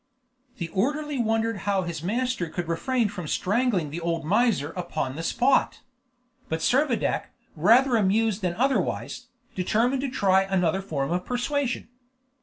The orderly wondered how his master could refrain from strangling the old miser upon the spot; but Servadac, rather amused than otherwise, determined to try another form of persuasion.